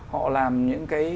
họ làm những cái